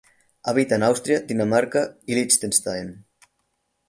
Habita en Austria Dinamarca y Liechtenstein.